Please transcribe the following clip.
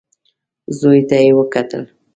زوی ته يې وکتل.